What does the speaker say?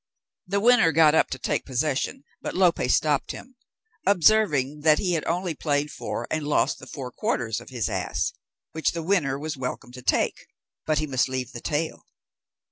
The winner got up to take possession, but Lope stopped him, observing that he had only played for and lost the four quarters of his ass, which the winner was welcome to take, but he must leave him the tail.